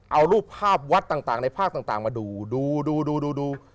เอารูปภาพวัดต่างในภาคต่างมาดูดูดูดูดู